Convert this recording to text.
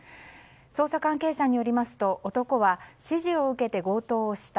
捜査関係者によりますと男は指示を受けて強盗をした。